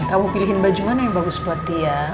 kamu pilihin baju mana yang bagus buat dia